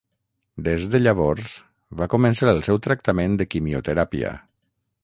Des de llavors, va començar el seu tractament de quimioteràpia.